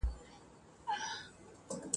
دا انجام وي د خپل قام د غلیمانو ..